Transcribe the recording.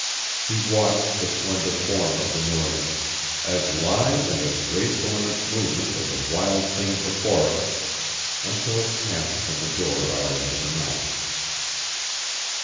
He watched the slender form of the Northerner, as lithe and as graceful in its movement as a wild thing of the forests, until it passed from the door out into the night.